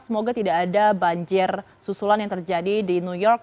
semoga tidak ada banjir susulan yang terjadi di new york